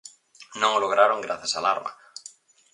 Non o lograron grazas á alarma.